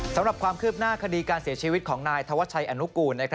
สำหรับความคืบหน้าคดีการเสียชีวิตของนายธวัชชัยอนุกูล